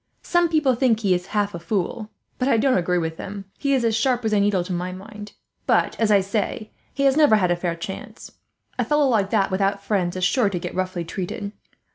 Some people think he is half a fool, but I don't agree with them; he is as sharp as a needle, to my mind. But, as I say, he has never had a fair chance. A fellow like that, without friends, is sure to get roughly treated."